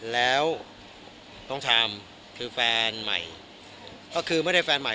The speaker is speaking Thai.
แล้วต้องทำคือแฟนใหม่ก็คือไม่ได้แฟนใหม่